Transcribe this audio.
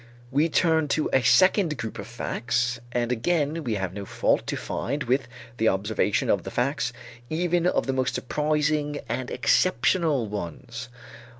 We turn to a second group of facts and again we have no fault to find with the observation of the facts, even of the most surprising and exceptional ones.